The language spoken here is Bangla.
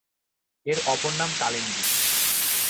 এর অপর নাম কালিন্দী।